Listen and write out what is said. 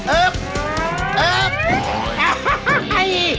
อึปอึปอึป